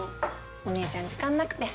お姉ちゃん時間なくて。